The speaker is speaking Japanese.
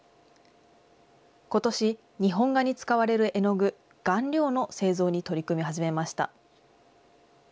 ことし、日本画に使われる絵の具、顔料の製造に取り組み始めました。